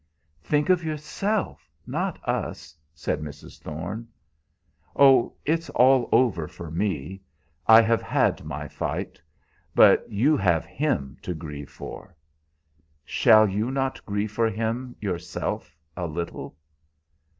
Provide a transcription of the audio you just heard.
"Think of yourself, not of us," said Mrs. Thorne. "Oh, it's all over for me. I have had my fight. But you have him to grieve for." "Shall you not grieve for him yourself a little?"